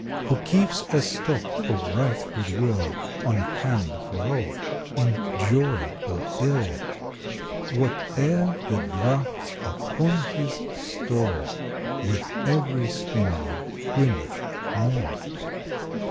Who keeps a stock of right Good Will On hand for all, in joy or ill, Whate er the drafts upon his store W T ith every spending winneth more.